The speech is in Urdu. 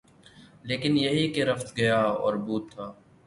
لیکن یہی کہ رفت، گیا اور بود تھا